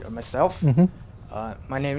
tên tôi là nam